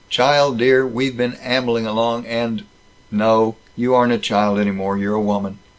Child dear, we've been ambling along and No. You aren't a child any more. You're a woman.